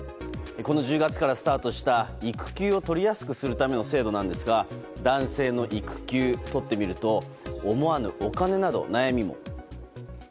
この１０月からスタートした育休をとりやすくするための制度なんですが男性の育休、とってみると思わぬお金など悩みも。